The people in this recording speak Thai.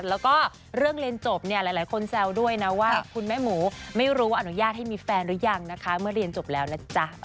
แล้วก็เรื่องเรียนจบเนี่ยหลายคนแซวด้วยนะว่าคุณแม่หมูไม่รู้ว่าอนุญาตให้มีแฟนหรือยังนะคะเมื่อเรียนจบแล้วนะจ๊ะ